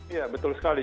iya betul sekali